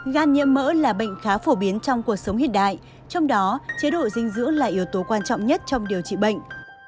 gan nhiễm mỡ là bệnh khá phổ biến trong cuộc sống hiện đại trong đó chế độ dinh dưỡng là yếu tố quan trọng nhất trong điều trị bệnh